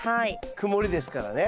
曇りですからね。